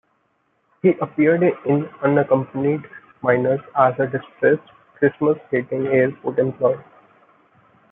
He appeared in "Unaccompanied Minors" as a distressed, Christmas-hating airport employee.